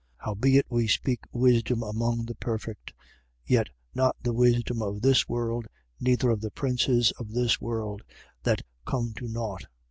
2:6. Howbeit we speak wisdom among the perfect: yet not the wisdom of this world, neither of the princes of this world that come to nought.